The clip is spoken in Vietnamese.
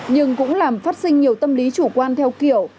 nhưng cũng làm phát sinh nhiều tâm lý chủ quan theo kiểu